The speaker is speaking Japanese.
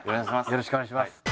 よろしくお願いします。